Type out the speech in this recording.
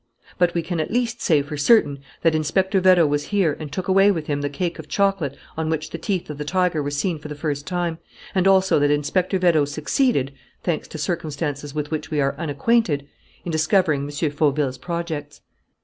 But we can at least say for certain that Inspector Vérot was here and took away with him the cake of chocolate on which the teeth of the tiger were seen for the first time, and also that Inspector Vérot succeeded, thanks to circumstances with which we are unacquainted, in discovering M. Fauville's projects."